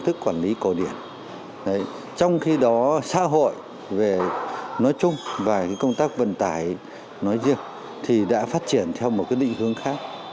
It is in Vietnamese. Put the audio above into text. tức là từ ngày hai mươi chín tháng chạp năm kỷ hợi